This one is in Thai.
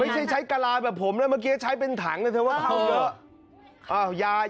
ใช้ใช้กะลาแบบผมนะเมื่อกี้ใช้เป็นถังเลยเธอว่าเข้าเยอะ